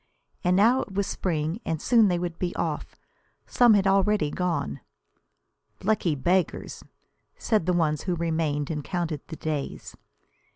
And now it was spring, and soon they would be off. Some had already gone. "Lucky beggars!" said the ones who remained, and counted the days.